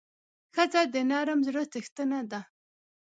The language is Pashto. ښځه د نرم زړه څښتنه ده.